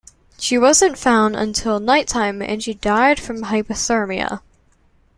She wasn't found until nighttime and she died from hypothermia.